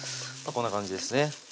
こんな感じですね